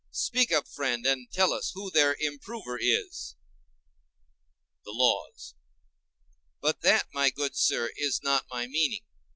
Speak up, friend, and tell us who their improver is. The laws. But that, my good sir, is not my meaning.